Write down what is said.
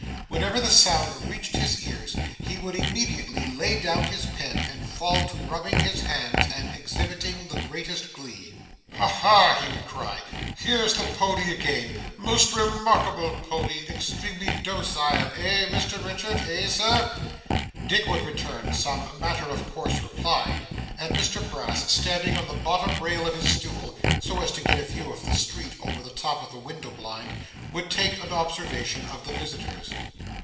Whenever the sound reached his ears, he would immediately lay down his pen and fall to rubbing his hands and exhibiting the greatest glee. 'Ha ha!' he would cry. 'Here's the pony again! Most remarkable pony, extremely docile, eh, Mr Richard, eh sir?' Dick would return some matter of course reply, and Mr Brass standing on the bottom rail of his stool, so as to get a view of the street over the top of the window blind, would take an observation of the visitors.